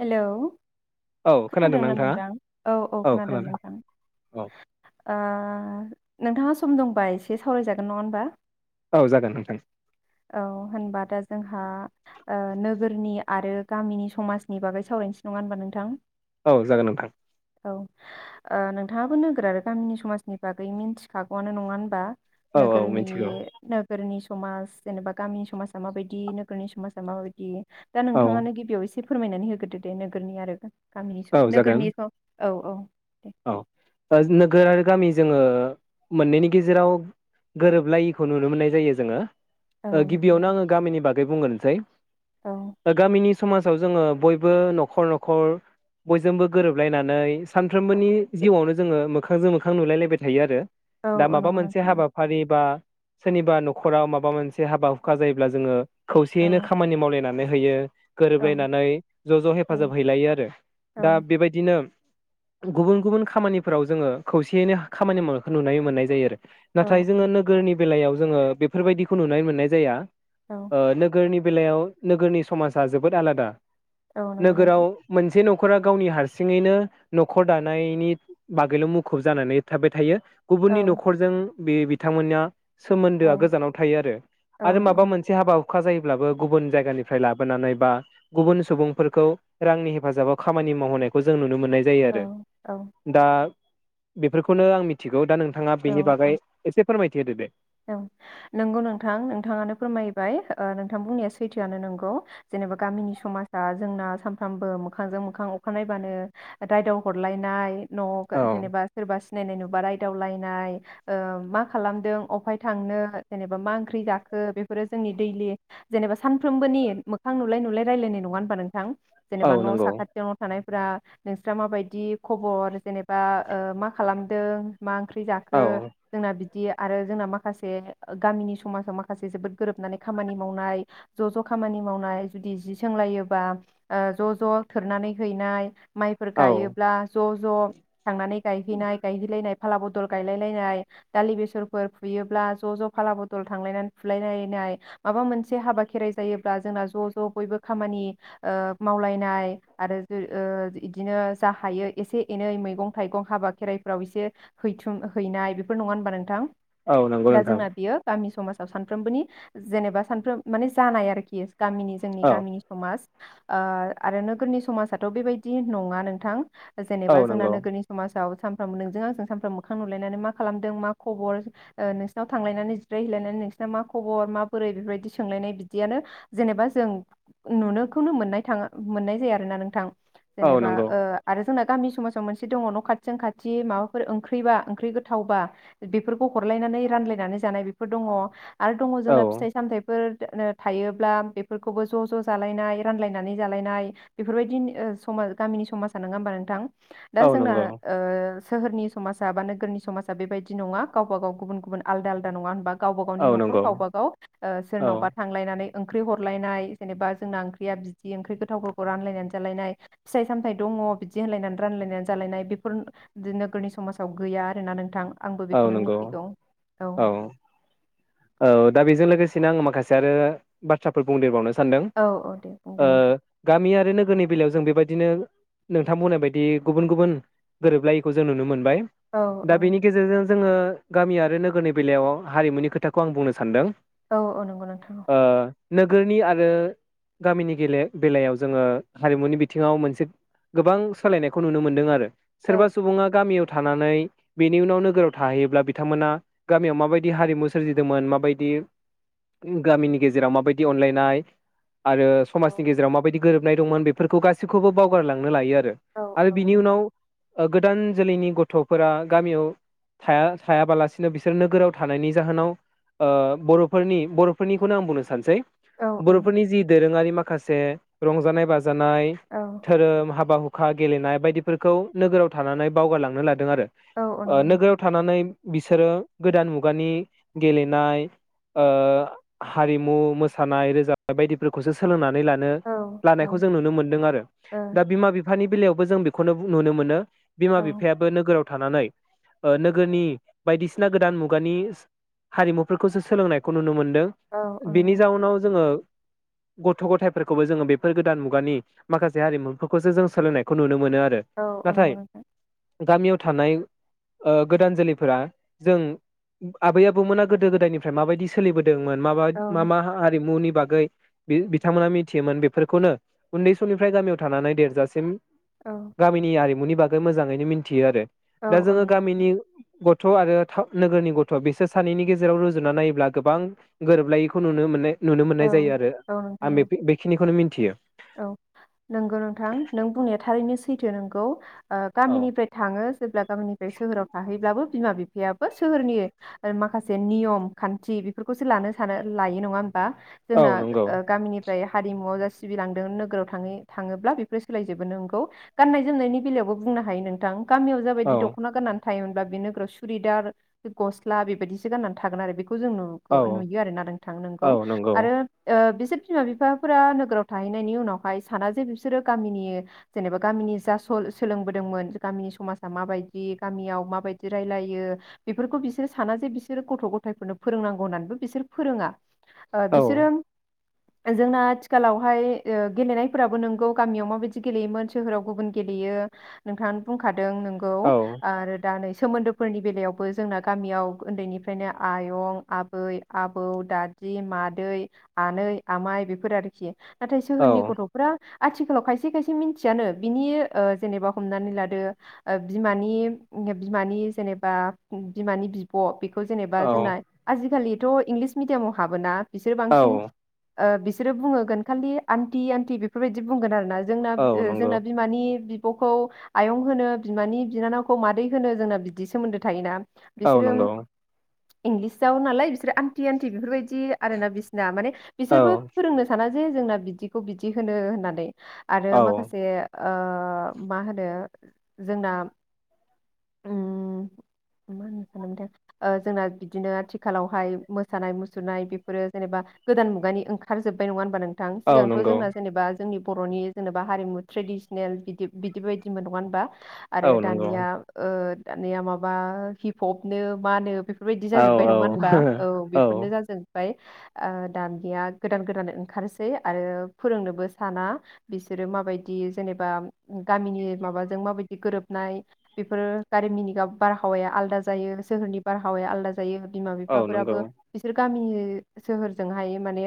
Hello औ खोनादों खोनादोंना नोंथाङा नोंथां औ औ खोनादों नोंथां औ ओ। नोंथाङा सम दंबा एसे सावरायजागोन नङा होनबा। औ जागोन नोंथां औ होनबा दा जोंहा ओ नोगोरनि आरो गामिनि समाज नि बागै सावरायनोसै नङा होमबा नोंथां। औ जागोन नोंथां। औ ओ नोंथाङाबो नोगोर आरो गामिनि समाजनि बागै मिथिखागौआनो नङा होनबा। औ औ नगोरनि मिथिगौ नोगोरनि समाज जेनेबा गामिनि समाजा माबायदि नोगोरनि समाजा माबायदि दा औ नोंथाङानो गिबियाव एसे फोरमायनानै होग्रोदो दे नोगोरनि आरो औ जागोन नोगोरनिखौ औ औ। औ नोगोर आरो गामि जोङो मोननैनि गेजेराव गोरोबलायैखौ नुनो मोननाय जायो जोङो। औ ओ गिबियावनो नोंथां, आङो गामिनि बागै बुंगोरनोसै औ गामिनि समाजाव जोङो बयबो न'खर न'खर बयजोंबो गोरोबलायनानै सानफ्रोमबोनि जिउआवनो जोङो मोखांजों मोखां नुलायलायबाय थायो आरो। औ दा औ माबा नंगौ मोनसे नोंथां हाबाफारि बा सोरनिबा न'खराव माबा मोनसे हाबा हुखा जायोब्ला जोङो औ खौसेयैनो खामानि मावलायनानै नो होयो। औ गोरोबलायनानै ज'- ज' औ हेफाजाब हैलायो आरो दा बेबायदिनो गुबुन गुबुन खामानिफोराव जोङो खौसेयैनो खामानि मावनायखौ नुनो मोननाय जायो आरो। औ नाथाय जोङो नोगोरनि बेलायाव जोङो बेफोरबायदिखौ नुनो मोननाय जाया। औ ओ नोगोरनि बेलायाव नोगोरनि समाजा जोबोद आलादा। औ नंगौ नोगोराव नोंथां मोनसे नख न'खरा गावनि हारसिङैनो न'खर दानायनि बागैल' मुखुब जानानै थाबाय थायो। गुबुननि औ नखरजों बे बिथांमोना औ सोमोन्दोआ गोजानाव थायो आरो, औ आरो नंगौ माबा नोंथां मोनसे हाबा हु अखा जायोब्लाबो गुबुन जायगानिफ्राय लाबोनानै बा गुबुन सुबुंफोरखौ रांनि हेफाजाबाव खामानि मावहोनायखौ जों नुनो मोननाय जायो आरो औ दा बेफोरखौनो आं मिथिगौ दा नोंथा थाङा औ बेनि औ बागै एसे फोरमाय थि होदों दे। औ नोंगौ नोंथां नोंथाङानो फोरमायबाय ओ‌ नोंथां बुंनाया सैथोआनो नोंगौ जेनेबा गामिनि समाजा जोंना सानफ्रामबो मोखांजों मोखां अखा नायबानो रायदाव हरलायनाय न'आव गा औ जेनेबा सोरबा सिनायनाय नु बा रायदावलायनाय ओ मा खालामदों? अबहाय थांनो जेनेबा मा ओंख्रि जाखो बेफोरो जोंनि दैलि जेनेबा सानफ्रोमबोनि मोखां नुलाय नुलाय रायजलायनाय नङा होनबा नों थां? औ जेनेबा न' नंगौ साखाथियाव थानाय [unintelligible] नोंस्रा माबायदि खबर जेनेबा ओ मा खालामदों मा ओंख्रि जाखो? औ जोंना बि दि आरो जोंना माखासे गामिनि समाजाव माखासे जोबोद गोरोबनानै खामानि मावनाय ज ज खामानि मावनाय जुदि जि सोंलायोबा ज ज थोरनानै हैनाय माइफोर औ गायोब्ला ज ज थांनानै गायहैनाय गायहैलायनाय फाला बदल गायलायलायनाय । दालि बेसर फोर फुयोब्ला ज ज फाला बथल थांलायनानै फुलायलायनाय । माबा मोनसे हाबा खेराइ जायोब्ला जोंना ज ज बयबो खामानि ओ मावलायनाय आरो ओ इदिनो जा हायो एसे एनै मैगं थाइगं हाबा खेराइफ्राव एसे हैथुम हैनाय बेफोर नंङा होनबा नोंथां? औ नंगौ दा नोंथां जोंना बियो गामि समाजाव सानफ्रोमबोनि जेनेबा सानफ्रोम माने जानाय आरोखि गामिनि जोंनि औ गामिनि समाज। ओ आरो नोगोरनि समाजाथ‌‌' बेबायदि नंङा नोंथां औ जेनेबा जोंना नंगौ नोगोरनि समाजाव सानफ्रोमबो नोंजों आंजों सानफ्रोमबो मोखां नुलायनानै मा खालामदों, मा खबर? ओ नोंसिनाव थांलायनानै जिरायहैलायनानै नोंसिनाव मा खबर माबोरै बेफोरबायदि सोंलायनाय बिदियानो जेनेबा जों नुनोखौनो मोननाय थाङा मोननाय जाया आरो ना नोंथां। औ जेनेबा नंगौ ओ आरो जोंना गामि समाजाव मोनसे दङ न' खाथिजों खाथि माबाफोर ओंख्रिबा ओंख्रि गोथावबा बेफोर फोरखौ हरलायनानै रानलायनानै जानाय बेफोर दङ। आरो दङ औ जोंना फिथाइ-सामथाइफोर थायोब्ला बेफोरखौबो ज' ज' जालायनाय रानलायनानै जालायनाय बेफोरबायदि ओ समाज गामिनि समाजा नोङा होमबा नोंथां? दा औ जोंना नंगौ ओ सोहोरनि समाजा बा नोगोरनि समाजा बेबायदि नङा। गावबा गाव गुबुन गुबुन आलदा आलदा नङा होनबा गावबा गावनि औ न'खर नंगौ गावबा गाव ओ औ सोरनावबा थांलायनानै ओंख्रि हरलायनाय जेनेबा जोंना ओंख्रिया बिदि ओंख्रि गोथावफोरखौ रानलायनानै जालायनाय फिथाइ-सामथाइ दङ बिदि होनलायनानै रानलायनानै जालायनाय बेफोर बिदि नोगोरनि समाजाव गैया आरोना नोंथां। आंबो औ बेखौनो मि नंगौ थिगौ औ औ दा बेजों लोगोसेनो आङो माखासे आरो बाथ्राफोर बुंदेरबावनो सानदों औ औ दे बुंदो ओ नोंथां गामियारि नोगोरनि बेलायाव जों बेबायदिनो नोंथां बुंनाय बायदि गुबुन गुबुन गोरोबलायैखौ जों नुनो मोनो। बाय औ दा औ बेनि गेजेरजों जोङो गामि आरो नोगोरनि बेलायाव हारिमुनि खोथा खौ आं बुंनो सानदों। औ औ नंगौ नोंथां औ ओ नोगोरनि आरो गामिनि बे-बेलायाव जोङो हारिमुनि बिथिङाव मोनसे गोबां सोलायनायखौ नुनो मोनदों आरो औ सोरबा सुबुङा गामियाव थानानै बेनि उनाव नोगोराव थाहैयोब्ला बिथांमोना गामियाव माबायदि हारिमु सोरजिदोंमोन माबायदि गामिनि गेजेराव माबायदि अनलायनाय आरो औ समाजनि गेजेराव माबायदि गोरोबनाय दंमोन बेफोरखौ गासैखौबो बावगारलांनो लायो आरो औ औ आरो नंगौ बिनि नोंथां उनाव ओ गोदान जोलैनि गथ'फोरा गामियाव थाया थायाबालासिनो बिसोर नोगोराव थानायनि जाहोनाव ओ बर'फोरनि बर'फोरनिखौनो आं बुंनो सानसै औ बर'फोरनि जि दोरोङारि मा माखासे रंजानाय बाजा जानाय औ धोरोम हाबा हु खा गेलेनाय बायदिफोरखौ नोगोराव थानानै बावगारलांनो लादों आरो औ औ ओ नंगौ नोंथां नोगोराव थानानै बिसोरो गोदान मुगानि गेलेनाय ओ हारिमु मोसानाय रोजाबानाय बायदिफोरखौसो सोलोंनानै लानो औ औ लानायखौ जों नुनो मोनदों आरो दा बिमा बिफानि। बेलायावबो जों बेखौनो नुनो मोनो। बिमा ओ बिफायाबो नोगोराव। थानानै नोगोरनि बायदिसिना गोदान मुगानि। हारिमुफोरखौसो सोलोंनायखौ नुनो मोन दों औ औ बिनि नंगौ नोंथां जाउनाव जोङो गथ' गथायफोरखौबो जोङो बेफोर गोदान मुगानि माखासे हारिमुफोरखौसो जों सोलोंनायखौ नुनो मोनो। आरो औ औ नाथाय नंगौ नोंथां। गामियाव थानाय ओ गोदान जोलैफोरा जों आबै आबौमोना गोदो गोदायनिफ्राय माबायदि सोलिबोदों मोन औ माबा-मा मा हारिमुनि बागै बिथांमोना मिथियोमोन बेफोरखौनो उन्दै समनिफ्राय गामियाव थानानै देरजासिम औ गामिनि आरि मुनि बागै मोजांङैनो मिन्थियो आरो। औ दा औ जोङो नंगौ नोंथां गामिनि गथ' आरो थाउ नोगोरनि ग थ' बिसोर सानैनि गेजेराव रुजुना नायोब्ला गोबां गोरोबलायैखौ नुनो माने नुनो मोननाय औ जायो आरो औ आं नोंथां बे औ बेखिनिखौनो मिन थियो। औ नंगौ नोंथां नों बुंनाया थारैनो सैथो नोंगौ। ओ औ गामिनिफ्राय थाङो जेब्ला गामिनिफ्राय सोहोराव थाहैब्लाबो बिमा बिफा बिफायाबो सोहोरनि माखासे नियम खान्थि बेफोरखौसो लानो सानो लायो नङा होनबा औ जोंना नंगौ गामिनिफ्राय हारिमुआव सिबिलांदों नोगोराव थाङै थाङोब्ला बेफोर सोलायजोबो नोंगौ गाननाय जोमनायनि बेलायावबो बुंनो हायो नोंथां। गामियाव औ जाबायदि दख'ना गाननानै थायोमोनबा बे नोगोराव सुरिदार गसला बेबायदिसो गाननानै थागोन आरो बे खौ जों औ नुगौ नुयो आरोना नोंथां । नोंगौ औ नंगौ आरो ओ बि सोर बिमा बिफाफोरा नोगोराव थाहैनायनि उनावहाय साना जे बिसोरो गामिनि जेनेबा गामिनि जा स सोलोंबोदोंमोन गामिनि समाजा माबायदि गामियाव माबायदि रायलायो बेफोरखौ बिसोर साना जे बिसोरो गथ' गथायफोरनो फोरोंनांगौ होननानैबो बिसोर फोरोङा। ओ औ बिसोरो जोंना आथिखालाव ओमफ्राय ओ गेलेनायफोराबो नोंगौ गामियाव माबायदि गेलेयोमोन सोहोराव गुबुन गेलेयो नोंथाङानो बुंखादों नोंगौ औ आरो दा नै सोमोन्दोफोरनि बेलायावबो जोंना गामियाव उन्दैनिफ्रायनो आयं आबै आबौ दादि मादै आनै आमाइ बेफोर आरोखि। नाथाय औ सोहोरनि गथ'फ्रा आथिखालाव खायसे खायसे मिनथियानो बिनि ओ जेनेबा हमनानै लादो ओ बिमानि बिमानि जेनेबा बिमानि बिब' बेखौ खौ जेनेबा औ जोंना आजिखालि थ' इंलिस मिडियामाव हाबोना बिसोर बांसिन ओ बिसोरो बुंहोगोन। खालि आन्टि आन्टि बेफोरबायदि बुंगोन आरो ना? औ जोंनाब ओ नंगौ जोंना बिमानि बिब बिब'खौ आयं होनो बिमानि बिनानावखौ मादै होनो जोंना बिदि सोमोन्दो थायोना? औ बिसोरो नंगौ। इंलिसाव नालाय बिसोर आन्टि आन्टि बेफोरबायद दि आरो ना बिसिना माने औ बिसोरबो फोरोंनो साना। जे जोंना बिदिखौ बिदि होनो होननानै। आरो औ माखासे ओ मा होनो जोंना उम मा होननो सानदोंमोनथाय जोंना बिदिनो आथिखालावहाय मोसानाय मुसुरनाय बेफोरो जेनेबा गोदान मुगानि ओंखारजोबबाय नङा होन बा नोंथां औ सिगांथ नंगौ जोंना जेनेबा जोंनि बर'नि जेनेबा हारिमु ट्रेडिसनेल बिदि बिदि बायदिमोन नङा होनबा? औ आरो नंगौ दानिया ओ दानिया माबा हि पप नो मा नो बेफ बेफोरबायदि औ जाजोब्बाय औ नङा होनबा औ बेफोरनो जाजोबबाय। ओ दानिया गोदान गोदान ओं ओंखारसै आरो फोरोंनोबो साना बिसोरो माबायदि जेनेबा गामिनि माबाजों माबायदि गोरोबनाय बेफोरो गामिनि बारहावाया आलदा जायो सोहोरनि बारहावाया आलादा जायो बिमा औ नंगौ बिफाफोराबो बिसोर गामिनि नि सोहोरजोंहाय माने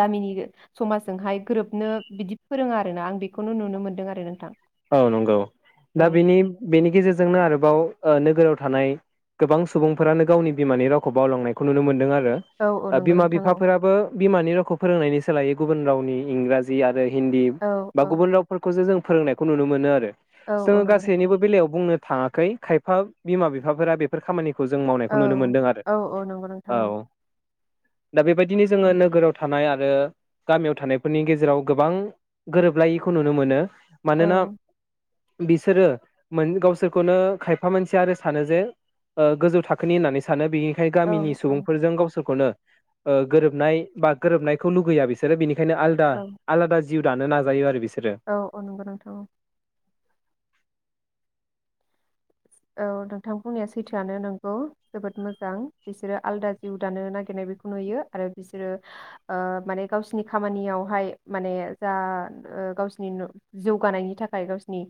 गामिनि समाजजोंहाय गोरोबनो बिदि फोरोङो आरोना आं बेखौनो नुनो मोनदों आरो नोंथां। औ नंगौ औ दा बेनि बेनि गेजेरजोंनो आरोबाव ओ‌ नोगोराव थानाय गोबां सुबुंफोरानो गावनि बिमानि रावखौ बावलांनायखौ नुनो मोनदों आर रो औ औ ओ नंगौ बिमा नोंथां औ बिफाफोराबो बिमानि रावखौ फोरोंनायनि सोलायै गुबुन रावनि इंराजि आरो हिन्दी औ बा औ गुबुन रावफोरखौसो जों फोरोंनायब खौ नुनो मोनो आरो औ औ जोङो नंगौ नोंथां गासैनिबो बेलायाव बुंनो थाङाखै खायफा बिमा बिफाफोरा बेफोर खामानिख खौ जों औ मावनायखौ नुनो मोनदों आरो औ औ नंगौ नोंथां औ दा बेबायदिनो जोङो नोगोराव थानाय आर आरो गामियाव थानायफोरनि गेजेराव गोबां गोरोबलायिखौ नुनो मोनो । औ मानोना बिसोरो मोन गावसोरखौनो खायफा मानसिया आरो सानो जे ओ गोजौ थाखोनि होननानै सानो । बिनिखाय गामिनि औ सुबुंफोरजों गावसोरखौनो ओ गोरोबनाय बा गोरोबनायखौ लुगैया बिसोरो बिनिखाय [unintelligible] आलदा औ आलादा जिउ दानो नाजायो आरो बिसोर औ औ नंगौ नोंथां औ । औ नोंथां बुंनाया सैथोआनो नंगौ जोबोद मोजां बिसोरो आलदा जिउ दानो नागिरनाय बेखौ नुयो आरो बिसोरो ओ माने गावसिनि खामानियावहाय माने जा गावसिनि जौगानायनि थाखाय गावसिनि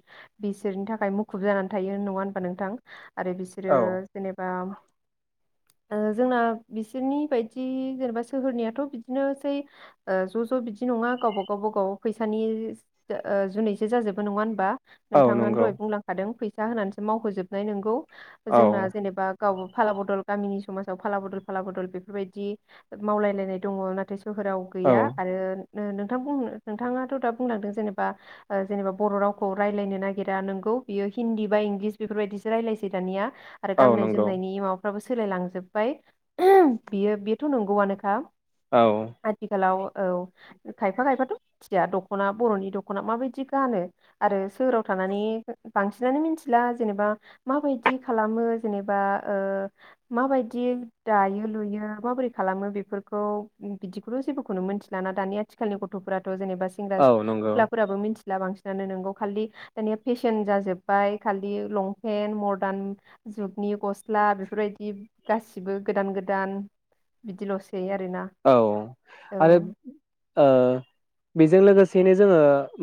बिसोरनि थाखाय मुखुब जानानै थायो नङा [unintelligible] नोंथां । आरो बिसोरो जेनेबा जोंना बिसोरनि बायदि जेनेबा सोहोरनियाथ बिदिनोसै ज ज बिदि नङा गावबा गावबागाव फैसानि जुनैसो जाजोबो नङा होनबा? औ नोंथाङानो नंगौ दहाय बुंलांखादों फैसा [unintelligible] मावहोजोबनाय नोंगौ औ जोंना जेनेबा गाव फाला बदल गामिनि समाजाव फाला बदल फाला बदल बेफोरबायदि मावलायलायनाय दङ नाथाय सोहोराव औ गैया आरो नोंथां नोंथाङाथ दा बुंलांदों जेनेबा जेनेबा बर रावखौ रायजलायनो नागिरा नोंगौ बियो हिन्दी बा इंलिस बेफोरबायदिसो रायलायसै दानिया । आरो औ गाननाय नंगौ जोमनायनि [unintelligible] [unintelligible] फोराबो सोलायलांजोबबाय बियो बेथ नंगौआनोखा । औ आथिखालाव औ खायफा खायफाथ। [unintelligible] दखना बर'नि दखना माबायदि गानो आरो सोहोराव थानानै बांसिनानो मिथिला । जेनेबा माबायदि खालामो जेनेबा ओ माबायदि दायो लुयो माबोरै खालामो बेफोरखौ बिदिखौथ जेबोखौनो मोनथि लाना दानि आथिालनि गथफोरा जेनेबा सेंग्रा औ नंगौ सिख्लाफोराबो मिथि [unintelligible] [unintelligible] बांसिन नंगौ खालि दानिया फेसन जोजोबबाय [unintelligible] [unintelligible] लंपेन्ट मदार्न जुगनि गस्ला बेफोरबादि गासिबो गोदान गोदान बिदिलसै । औ आरो ओ । बेजों लोगोसेयैनो जोङो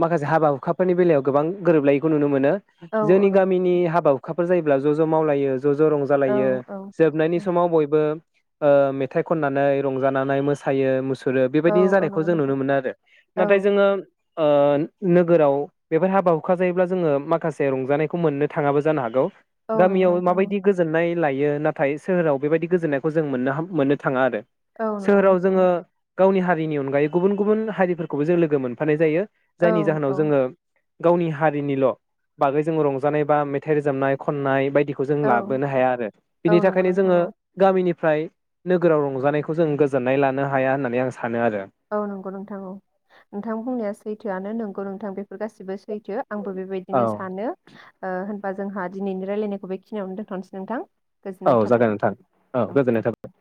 माखासे हाबा हुखाफोरनि बेलायाव गोबां गोरोबलायैखौ नुनो मोनो औ । औ जोंनि नंगौ नोंथां। गामिनि हाबा हुखा [unintelligible] फोर जायोब्ला ज ज मावलायो ज ज औ रंजालायो औ जोबनायनि औ समाव बयबो ओ मेथाइ खननानै रंजानानै [unintelligible] मोसायो [unintelligible] फोरो औ बेबायदि औ जानायखौ नंगौ जों नुनो नोंथां मोनो आरो औ नाथाय जोङो ओ नोगोराव बेफोर हाबा हुखा जायोब्ला जोङो माखासे रंजानायखौ मोननो थाङाबो जानो हागौ। औ नंगौ गामियाव नोंथां औ माबायदि गोजोननाय लायो नाथाय सोहोराव बेबायदि गोजोननायखौ जों मोननो हाम मोननो थाङा आरो। औ नंगौ सोहोराव नोंथां जोङो औ। गावनि हारिनि अनगायै गुबुन गुबुन हारिफोरखौबो जों लोगो मोनफानाय जायो। जायनि जाहोनाव औ औ जोङो गावनि हारिनिल' बागै जों रंजानाय बा मेथाइ रोजाबनाय खननाय बायदि बिखौ जों औ लाबोनो हाया आरो बिनि औ नंगौ थाखायनो नोंथां जोङो औ गानमनि फ्राय नोगोराव रंजानायखौ जों गो जोननाय लानो हाया होननानै आं स औ नंगौ नोंथां औ नोंथां बुंनाया सैथोआनो नों गौ नोंथां बे फोर गासिबो सैथो आंबो औ बेबायदिनो सानो। ओ होनबा जोंहा दिनैनि रायल्लायनायखौ बेखिनियावनो दोनथ'नोसै नोंथां औ गोजोननाय थाबाय जागोन नोंथां औ गोजोननाय थाबाय